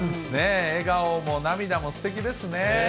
笑顔も涙もすてきですね。